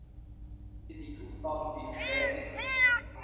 มีสิ่งถูกต้องจริงแท้หนึ่งเดียว